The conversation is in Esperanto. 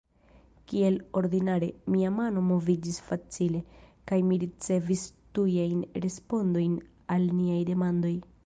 Kiel ordinare, mia mano moviĝis facile, kaj mi ricevis tujajn respondojn al niaj demandoj.